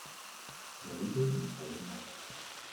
理都唔理我